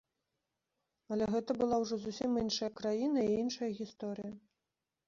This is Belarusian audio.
Але гэта была ўжо зусім іншая краіна і іншая гісторыя.